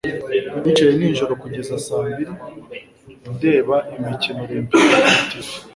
nicaye nijoro kugeza saa mbiri ndeba imikino olempike kuri tv